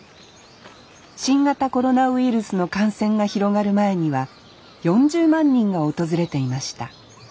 新型コロナウイルスの感染が広がる前には４０万人が訪れていました。